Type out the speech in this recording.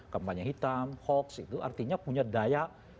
kampanye hitam hoax itu artinya punya daya